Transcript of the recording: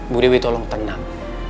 budewi tolong tenang